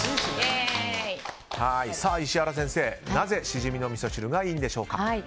石原先生、なぜシジミのみそ汁がいいんでしょうか。